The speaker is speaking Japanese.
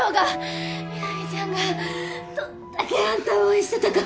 南ちゃんがどんだけあんたを応援してたか。